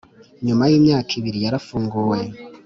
Nyuma y’imyaka ibiri yarafunguwe